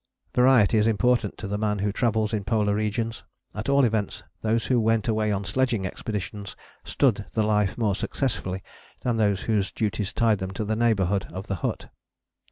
Variety is important to the man who travels in polar regions: at all events those who went away on sledging expeditions stood the life more successfully than those whose duties tied them to the neighbourhood of the hut.